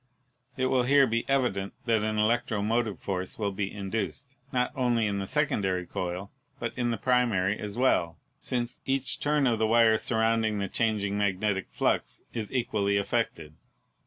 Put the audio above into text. It will here be evident that an electromotive force will be induced, not only in the sec ondary coil, but in the primary as well, since each turn of wire surrounding the changing magnetic flux is equally affected.